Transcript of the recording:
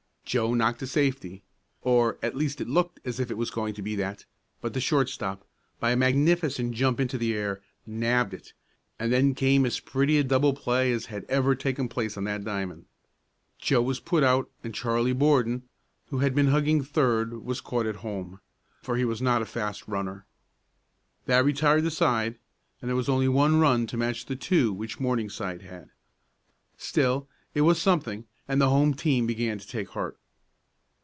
Joe knocked a safety, or at least it looked as if it was going to be that, but the shortstop, by a magnificent jump into the air, nabbed it, and then came as pretty a double play as had ever taken place on that diamond. Joe was put out and Charlie Borden, who had been hugging third, was caught at home, for he was not a fast runner. That retired the side, and there was only one run to match the two which Morningside had. Still it was something, and the home team began to take heart.